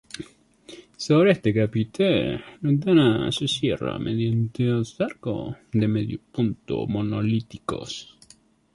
Sobre este capitel, la ventana se cierra mediante dos arcos de medio punto monolíticos.